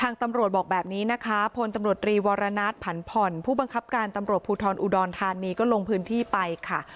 ตำรวจบอกแบบนี้นะคะพลตำรวจรีวรณัฐผันผ่อนผู้บังคับการตำรวจภูทรอุดรธานีก็ลงพื้นที่ไปค่ะ